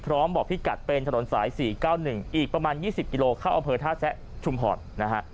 พร้อมบอกที่กัดเป็นถนนสาย๔๙๑อีกประมาณ๒๐กิโลเมื่อเข้าอำเภอท่าแสะชุมพอร์ต